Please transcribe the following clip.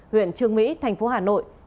huyện trường mỹ thành phố hà nội